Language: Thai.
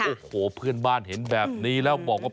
โอ้โหเพื่อนบ้านเห็นแบบนี้แล้วบอกว่า